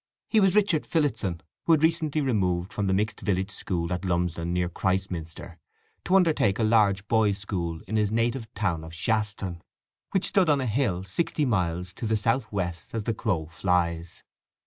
He was Richard Phillotson, who had recently removed from the mixed village school at Lumsdon near Christminster, to undertake a large boys' school in his native town of Shaston, which stood on a hill sixty miles to the south west as the crow flies.